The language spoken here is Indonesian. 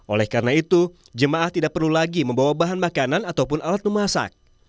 oleh karena itu jemaah tidak perlu lagi membawa bahan makanan ataupun alat memasak